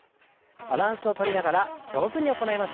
バランスをとりながら上手に行いましょう。